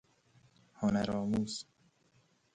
هنر آموز